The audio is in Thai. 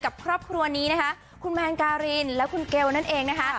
ครอบครัวนี้นะคะคุณแมนการินและคุณเกลนั่นเองนะคะ